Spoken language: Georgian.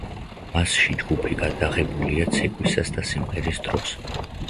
მასში ჯგუფი გადაღებულია ცეკვისას და სიმღერის დროს.